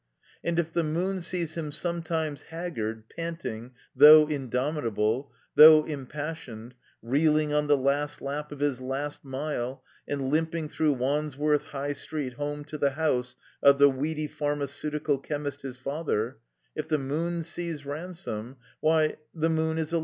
And if the moon sees him sometimes haggard, panting, though indomitable, though impassioned, reeling on the last lap of his last mile, and limping through Wandsworth High Street home to the 3 THE COMBINED MAZE house of the weedy pharmaceutical chemist his father, if the moon sees Ransome, why, the Moon is a.